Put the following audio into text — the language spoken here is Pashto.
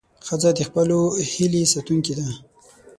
ښځه د خپلو هیلې ساتونکې ده.